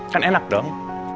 kan enak dong